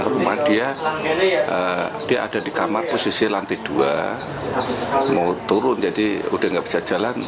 rumah dia dia ada di kamar posisi lantai dua mau turun jadi udah nggak bisa jalan